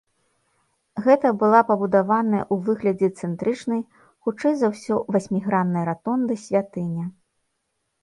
Гэта была пабудаваная ў выглядзе цэнтрычнай, хутчэй за ўсё васьміграннай ратонды святыня.